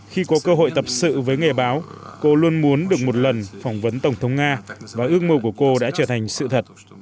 khi có cơ hội tập sự với nghề báo cô luôn muốn được một lần phỏng vấn tổng thống nga và ước mơ của cô đã trở thành sự thật